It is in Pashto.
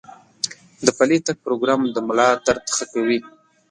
د پلي تګ پروګرام د ملا درد ښه کوي.